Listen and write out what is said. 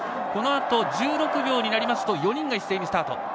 このあと１６秒になりますと４人が一斉にスタート。